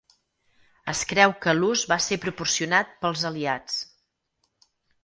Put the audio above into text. Es creu que l'ús va ser proporcionat pels aliats.